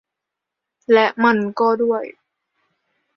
และมันก็ด้วย